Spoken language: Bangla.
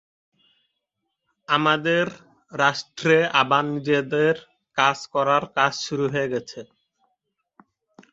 আমাদের রাষ্ট্রে আবার আমাদের নিজেদের করার কাজ শুরু হয়ে গেছে।